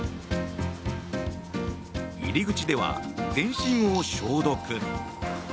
入り口では、全身を消毒。